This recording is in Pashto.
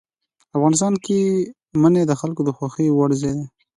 افغانستان کې منی د خلکو د خوښې وړ ځای دی.